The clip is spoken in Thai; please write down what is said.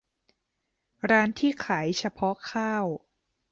ร้านที่ขายเฉพาะข้าว